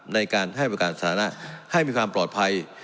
ในการให้บริการสถานะให้มีความปลอดภัย